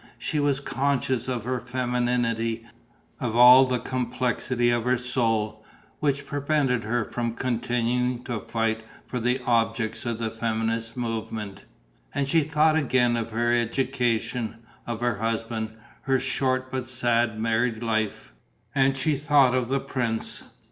She was conscious of her femininity, of all the complexity of her soul, which prevented her from continuing to fight for the objects of the feminist movement. And she thought again of her education, of her husband, her short but sad married life ... and she thought of the prince.